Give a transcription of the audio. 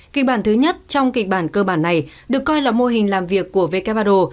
kịch bản thứ nhất trong kịch bản cơ bản này được coi là mô hình làm việc của wardol